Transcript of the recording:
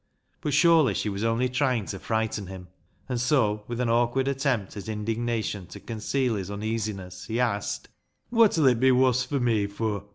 But surely she was only trying to frighten him ; and so, with an awkward attempt at indig nation, to conceal his uneasiness, he asked —" Wot'll it be woss fur me fur